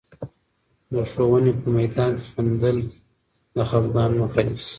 د ښوونې په میدان کې خندل، د خفګان مخه نیسي.